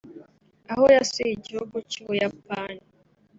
aho yasuye igihugu cy’u Buyapani